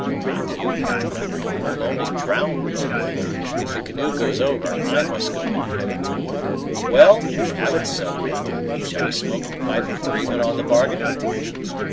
"Not you, Pathfinder; you would only drown both. If the canoe goes over, I must go in it." "Well, have it so, then: shall we smoke the pipe of agreement on the bargain?"